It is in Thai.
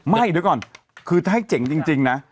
ไม่เดี๋ยวก่อนคือถ้าให้เจ๋งจริงนะ